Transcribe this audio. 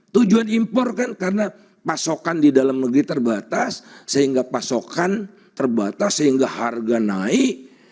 tujuan impor kan karena pasokan di dalam negeri terbatas sehingga pasokan terbatas sehingga harga naik